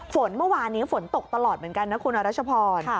ฝนเมื่อวานนี้ฝนตกตลอดเหมือนกันนะคุณรัชพร